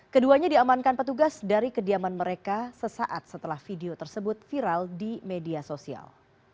keduanya diamankan petugas dari kediaman mereka sesaat setelah video tersebut viral di media sosial